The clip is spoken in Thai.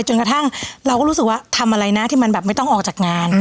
จนกระทั่งเราก็รู้สึกว่าทำอะไรนะที่มันแบบไม่ต้องออกจากงาน